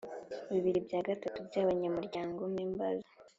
bibiri bya gatatu by abanyamuryango members